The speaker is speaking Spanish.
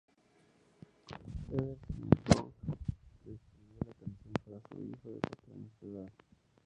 Tedder señaló que escribió la canción para su hijo de cuatro años de edad.